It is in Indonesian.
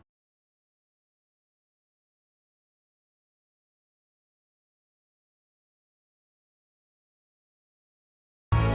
kayaknya gue mau